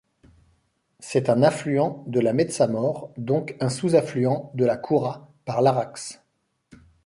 C'est un affluent de la Metsamor, donc un sous-affluent de la Koura par l'Araxe.